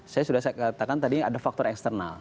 saya sudah saya katakan tadi ada faktor eksternal